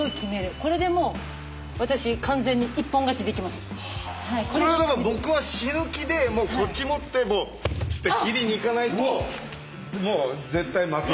これでもう私完全にこれはだから僕は死ぬ気でこっち持ってもうって切りにいかないともう絶対負ける。